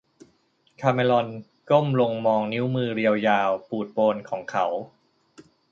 คาเมรอนก้มลงมองนิ้วมือเรียวยาวปูดโปนของเขา